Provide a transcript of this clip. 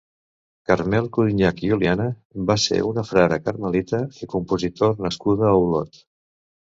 Carmel Codinyach i Oliana va ser una frare carmelita i compositor nascuda a Olot.